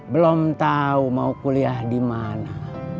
belum tahu mau kuliah di mana